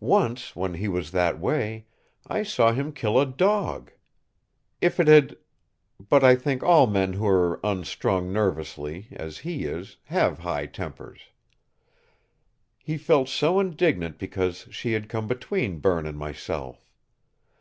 Once, when he was that way, I saw him kill a dog. If it had but I think all men who're unstrung nervously, as he is, have high tempers. He felt so indignant because she had come between Berne and myself.